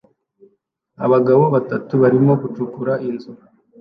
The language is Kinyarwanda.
Abagabo batatu barimo gucukura inzu